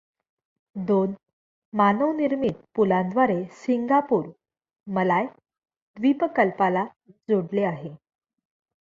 दोन मानवनिर्मित पुलांद्वारे सिंगापूर मलाय द्वीपकल्पाला जोडले आहे.